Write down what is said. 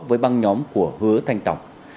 với băng nhóm của hứa thanh tổng